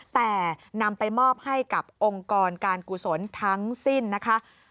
แต่นำไปมอบให้กับองค์กรการกุศลทั้งสิ้นนะคะ